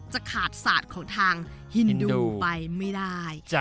จะขาดศาสตร์ของทางฮินดูไปไม่ได้